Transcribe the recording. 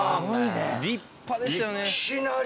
立派でしたよね。